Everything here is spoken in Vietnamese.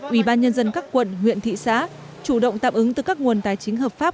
ủy ban nhân dân các quận huyện thị xã chủ động tạm ứng từ các nguồn tài chính hợp pháp